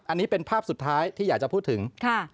อันนี้เป็นภาพสุดท้ายที่อยากจะพูดถึง